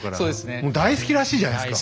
もう大好きらしいじゃないですか。